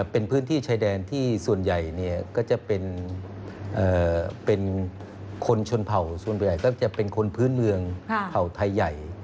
เป็นพื้นที่ชายแดนที่ส่วนใหญ่ก็จะเป็นคนชนเผ่าส่วนใหญ่ก็จะเป็นคนพื้นเมืองเผ่าไทยใหญ่